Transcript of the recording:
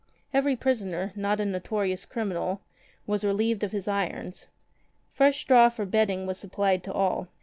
Every prisoner, not a notorious criminal, was relieved of his irons. Fresh straw for bed ding was supplied to all.